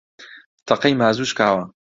تەقەی مازوو شکاوە